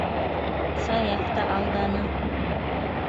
Саяф та алданы.